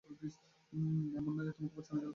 এমন না যে তোমাকে বাঁচানোর জন্য তুমি বিপদে পড়ো এমন চাই।